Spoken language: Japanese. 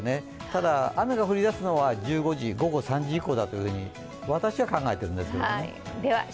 ただ、雨が降りだすのは午後３時以降だと私は考えているんですけどね。